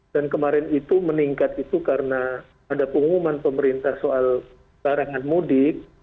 dan kemarin itu meningkat itu karena ada pengumuman pemerintah soal barangan mudik